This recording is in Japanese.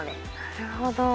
なるほど。